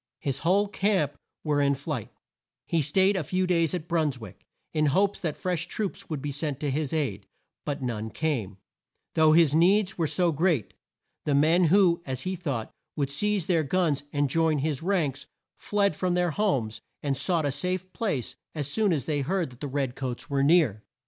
His whole camp were in flight. He staid a few days at New Bruns wick, in hopes that fresh troops would be sent to his aid, but none came, though his needs were so great. The men who, as he thought, would seize their guns and join his ranks, fled from their homes and sought a safe place as soon as they heard that the red coats were near.